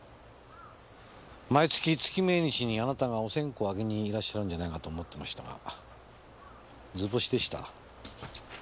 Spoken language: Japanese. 毎月月命日にあなたがお線香をあげにいらっしゃるんじゃないかと思ってましたが図星でした。